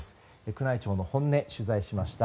宮内庁の本音を取材しました。